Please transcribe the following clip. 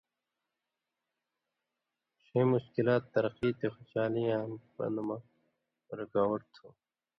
ݜَیں مشکلات ترقی تے خوشحالی یاں پن٘دہۡ مہ رُکاوٹ تھو.